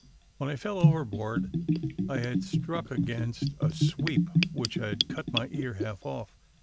When I fell overboard I had struck against a sweep, which had cut my ear half off.